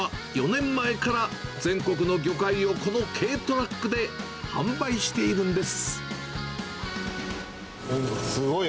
店主の藤崎さんは、４年前から全国の魚介をこの軽トラックで販売しているんです。